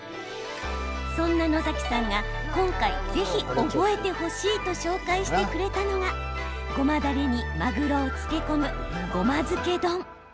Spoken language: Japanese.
そんな野崎さんが今回、ぜひ覚えてほしいと紹介してくれたのがごまだれにマグロを漬け込むごま漬け丼。